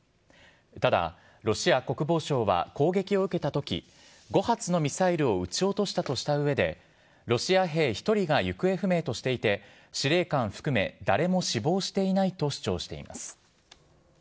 ただ、ロシア国防省は攻撃を受けたとき、５発のミサイルを撃ち落としたとしたうえで、ロシア兵１人が行方不明としていて、司令官含め、誰も死亡していないと主張しています。